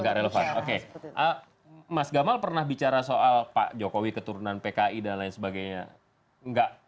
nggak relevan oke mas gamal pernah bicara soal pak jokowi keturunan pki dan lain sebagainya enggak